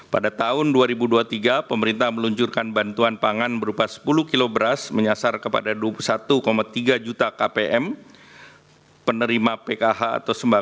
pemerintah telah menerapkan strategi untuk menjaga ketersediaan pasok global